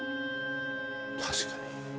確かに。